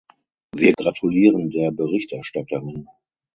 Wir gratulieren der Berichterstatterin.